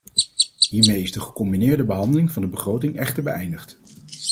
Hiermee is de gecombineerde behandeling van de begroting echter beëindigd.